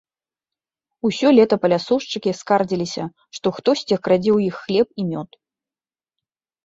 Усё лета палясоўшчыкі скардзіліся, што хтосьці крадзе ў іх хлеб і мёд.